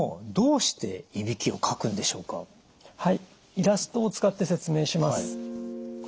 イラストを使って説明します。